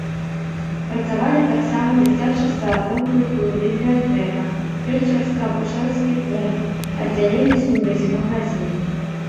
Працавалі таксама дзіцячы сад, дом культуры, бібліятэка, фельчарска-акушэрскі пункт, аддзяленне сувязі, магазін.